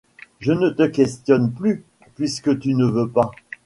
Je ne te questionne plus, puisque tu ne veux pas.